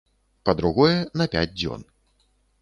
Па-другое, на пяць дзён.